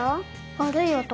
悪い男？